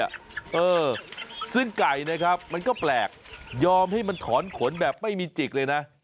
เออซึ่งไก่นะครับมันก็แปลกยอมให้มันถอนขนแบบไม่มีจิกเลยนะ